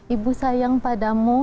ibu sayang padamu